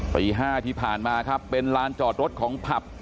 ตี๕ที่ผ่านมาครับเป็นลานจอดรถของผับ